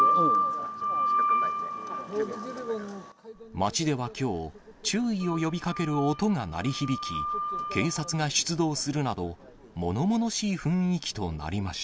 町ではきょう、注意を呼びかける音が鳴り響き、警察が出動するなど、ものものし